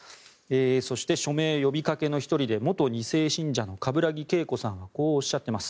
そして、署名呼びかけの１人で元２世信者の冠木結心さんはこうおっしゃっています。